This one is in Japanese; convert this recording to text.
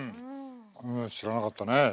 知らなかったねえ。